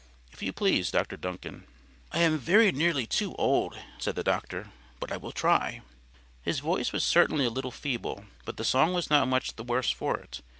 —If you please, Dr. Duncan." "I am very nearly too old," said the doctor; "but I will try." His voice was certainly a little feeble; but the song was not much the worse for it.